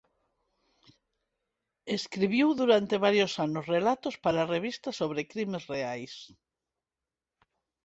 Escribiu durante varios anos relatos para revistas sobre crimes reais.